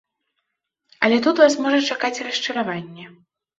Але тут вас можа чакаць расчараванне.